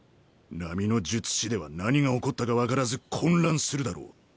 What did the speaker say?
並の術師では何が起こったか分からず混乱するだろう。